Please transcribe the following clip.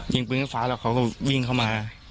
ยิงปืนขึ้นฟ้าแล้วเขาก็วิ่งเข้ามา